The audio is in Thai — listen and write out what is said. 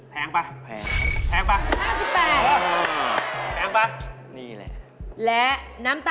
ป่ะแพงแพงป่ะ